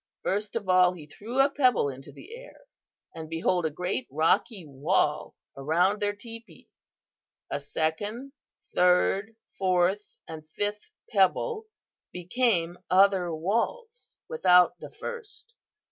First of all, he threw a pebble into the air, and behold a great rocky wall around their teepee. A second, third, fourth and fifth pebble became other walls without the first.